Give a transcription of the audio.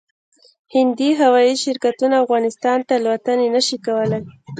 هندي هوايي شرکتونه افغانستان ته الوتنې نشي کولای